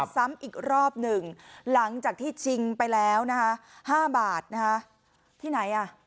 ซ้ำอีกรอบหนึ่งหลังจากที่ชิงไปแล้วนะคะ๕บาทนะคะที่ไหนอ่ะ